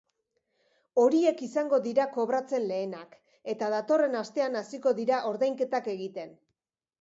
Horiek izango dira kobratzen lehenak, eta datorren astean hasiko dira ordainketak egiten.